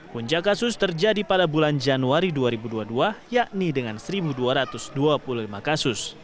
puncak kasus terjadi pada bulan januari dua ribu dua puluh dua yakni dengan satu dua ratus dua puluh lima kasus